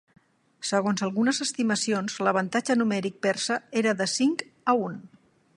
Segons algunes estimacions, l'avantatge numèric persa era de cinc a un.